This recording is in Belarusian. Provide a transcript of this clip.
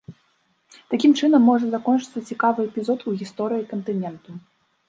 Такім чынам можа закончыцца цікавы эпізод у гісторыі кантыненту.